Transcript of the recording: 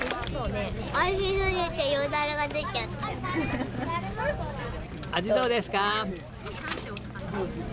おいしすぎてよだれが出ちゃ味どうですか。